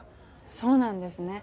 そうなんですね。